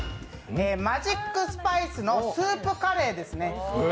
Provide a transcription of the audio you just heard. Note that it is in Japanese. マジックスパイスのスープカレーですね。